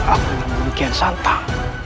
aku memiliki yang santai